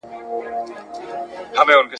صدیق علیم